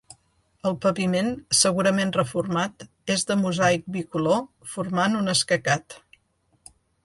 El paviment, segurament reformat, és de mosaic bicolor formant un escacat.